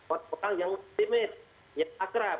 orang orang yang optimis yang akrab